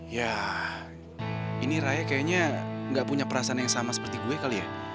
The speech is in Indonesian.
ya ini raya kayaknya nggak punya perasaan yang sama seperti gue kali ya